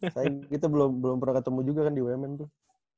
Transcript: saya kita belum pernah ketemu juga kan di bumn tuh